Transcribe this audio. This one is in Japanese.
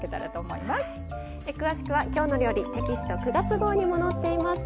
詳しくは「きょうの料理」テキスト９月号にも載っています。